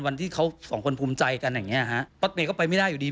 วันที่เขาสองคนภูมิใจกันอย่างเงี้ยฮะป๊อตเมย์ก็ไปไม่ได้อยู่ดี